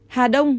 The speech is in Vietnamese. hà đông năm